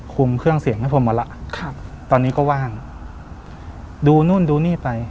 คุมเครื่องเสียงให้ผมหมดแล้วครับตอนนี้ก็ว่างดูนู่นดูนี่ไป